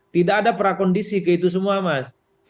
tidak ada prakondisi ke itu semua mas